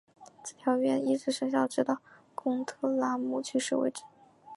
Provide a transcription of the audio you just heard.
此条约一直生效直到贡特拉姆去世为止。